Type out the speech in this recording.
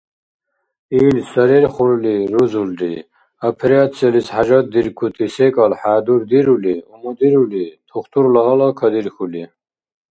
Ил сарерхурли рузулри операциялис хӏяжатдиркути секӏал хӏядурдирули, умудирули, тухтурла гьала кадирхьули.